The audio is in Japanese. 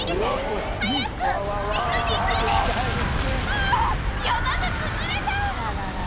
あ山が崩れた！